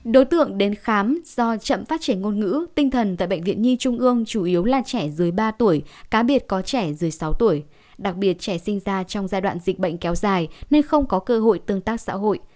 đối tượng đến khám do chậm phát triển ngôn ngữ tinh thần tại bệnh viện nhi trung ương chủ yếu là trẻ dưới ba tuổi cá biệt có trẻ dưới sáu tuổi đặc biệt trẻ sinh ra trong giai đoạn dịch bệnh kéo dài nên không có cơ hội tương tác xã hội